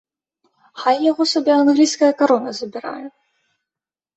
Хай яго сабе англійская карона забірае!